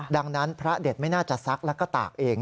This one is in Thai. ดังนั้นพระเด็ดไม่น่าจะซักแล้วก็ตากเอง